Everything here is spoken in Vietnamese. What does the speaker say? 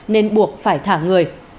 nên buộc phải thả người